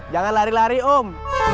jangan lari lari om